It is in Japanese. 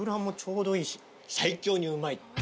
最強にうまい！